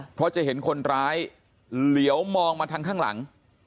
เพราะจะเห็นคนร้ายเหลียวมองมาทางข้างหลัง